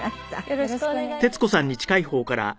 よろしくお願いします。